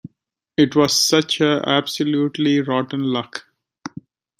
It was such absolutely rotten luck.